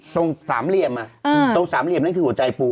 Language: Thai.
ตรงสามเหลี่ยมตรงสามเหลี่ยมนั่นคือหัวใจปู